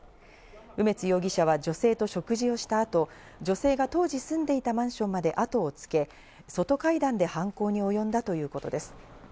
梅津容疑者は女性と食事をした後、女性が当時住んでいたマンションまで後をつけ、外階段で犯行におよんだということです。